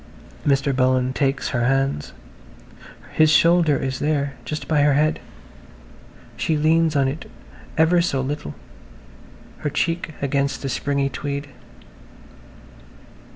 Mr. Bullen takes her hands. His shoulder is there–just by her head. She leans on it ever so little, her cheek against the springy tweed.